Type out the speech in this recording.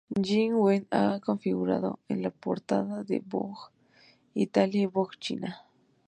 Jing Wen ha figurado en la portada de "Vogue Italia" y "Vogue China".